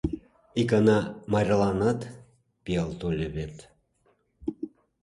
Икана Майраланат пиал тольо вет...